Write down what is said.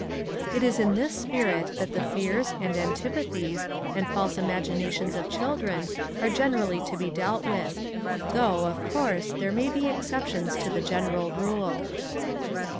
It is in this spirit that the fears, and antipathies, and false imaginations of children are generally to be dealt with; though, of course, there may be many exceptions to the general rule.